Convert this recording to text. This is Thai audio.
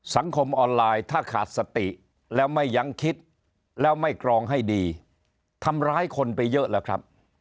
สังคมออนไลน์ถ้าขาดสติแล้วไม่ยังคิดแล้วไม่กรองให้ดีทำร้ายคนไปเยอะแล้วครับ